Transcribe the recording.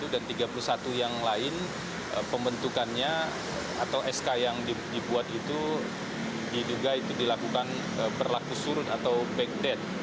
dan tiga puluh satu yang lain pembentukannya atau sk yang dibuat itu diduga itu dilakukan berlaku surut atau backdate